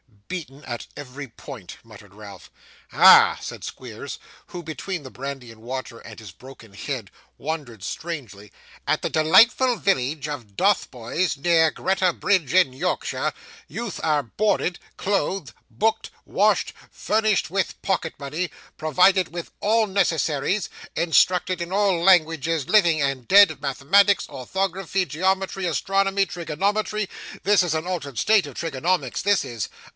'Beaten at every point!' muttered Ralph. 'Ah!' sighed Squeers, who, between the brandy and water and his broken head, wandered strangely, 'at the delightful village of Dotheboys near Greta Bridge in Yorkshire, youth are boarded, clothed, booked, washed, furnished with pocket money, provided with all necessaries, instructed in all languages living and dead, mathematics, orthography, geometry, astronomy, trigonometry this is a altered state of trigonomics, this is!